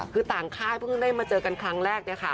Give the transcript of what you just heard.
คือต่างค่ายพึ่งได้มาเจอกันครั้งแรก